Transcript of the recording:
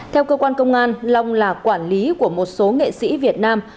theo cơ quan công an long là quản lý của một số nghệ sĩ việt nam